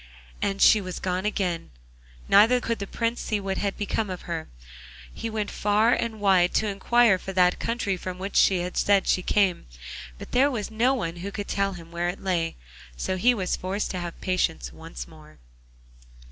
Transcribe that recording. And she was gone again, neither could the Prince see what had become of her. He went far and wide to inquire for that country from whence she had said that she came, but there was no one who could tell him where it lay, so he was forced to have patience once more.